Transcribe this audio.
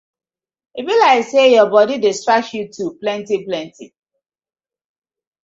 E bi layk say yur bodi dey scratch yu too plenty plenty.